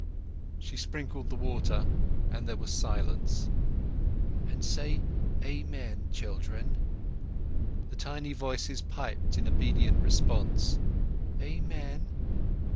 She sprinkled the water, and there was silence. "Say 'Amen,' children." The tiny voices piped in obedient response, "Amen!"